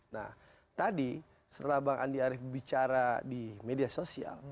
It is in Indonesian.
nah tadi setelah bang andi arief bicara di media sosial